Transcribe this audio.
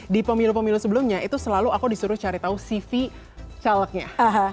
di pemilu pemilu sebelumnya itu selalu aku disuruh cari tahu cv calegnya